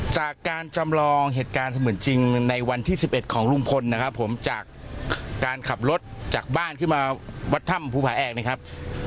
จากการจำลองเหตุการณ์เสมือนจริงในวันที่๑๑ของลุงพลนะครับผมจากการขับรถจากบ้านขึ้นมาวัดถ้ำภูผาแอกนะครับ